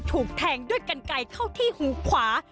ถูกแทงด้วยกันไก่เข้าที่หูขวา